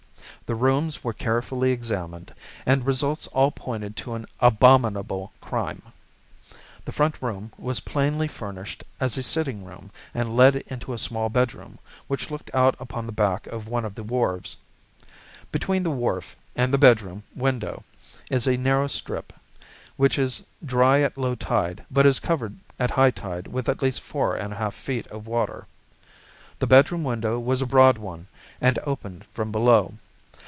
The rooms were carefully examined, and results all pointed to an abominable crime. The front room was plainly furnished as a sitting room and led into a small bedroom, which looked out upon the back of one of the wharves. Between the wharf and the bedroom window is a narrow strip, which is dry at low tide but is covered at high tide with at least four and a half feet of water. The bedroom window was a broad one and opened from below.